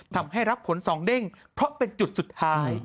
ทำให้รับผลสองเด้งเพราะเป็นจุดสุดท้าย